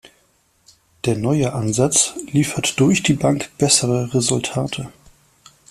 Der neue Ansatz liefert durch die Bank bessere Resultate.